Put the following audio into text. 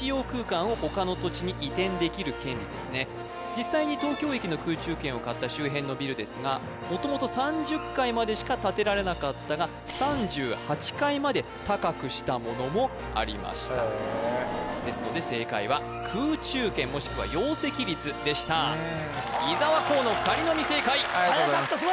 実際に東京駅の空中権を買った周辺のビルですが元々３０階までしか建てられなかったが３８階まで高くしたものもありました・へえですので正解は空中権もしくは容積率でした伊沢河野２人のみ正解ありがとうございます